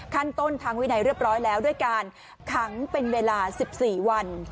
ขั้นต้นทางวินัยเรียบร้อยแล้วด้วยการขังเป็นเวลา๑๔วัน